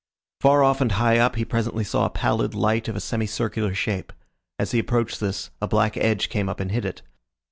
Far off and high up he presently saw a pallid light of a semi circular shape. As he approached this, a black edge came up and hid it.